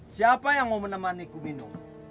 siapa yang mau menemani kuminum